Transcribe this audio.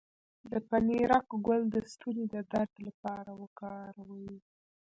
د پنیرک ګل د ستوني د درد لپاره وکاروئ